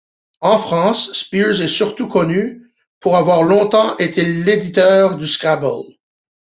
En France, Spear est surtout connu pour avoir longtemps été l'éditeur du Scrabble.